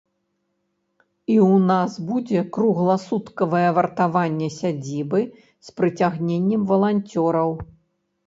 І ў нас будзе кругласуткавае вартаванне сядзібы, з прыцягненнем валанцёраў.